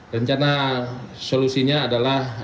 rencana solusinya adalah